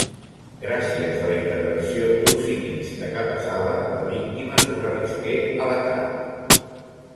Gràcies a la intervenció d'un ciclista que passava, la víctima sobrevisqué a l'atac.